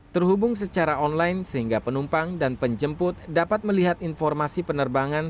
terhubung secara online sehingga penumpang dan penjemput dapat melihat informasi penerbangan